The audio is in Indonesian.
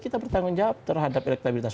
kita bertanggung jawab terhadap elektabilitas